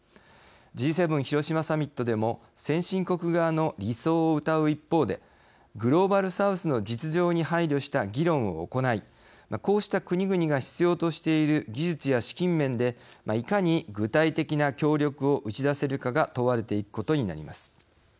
Ｇ７広島サミットでも先進国側の理想をうたう一方でグローバル・サウスの実情に配慮した議論を行いこうした国々が必要としている技術や資金面でいかに具体的な協力を打ち出せるかが問われていくことになります。